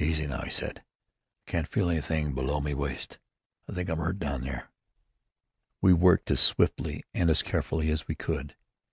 "Easy now!" he said. "Can't feel anything below me waist. I think I'm 'urt down there." We worked as swiftly and as carefully as we could.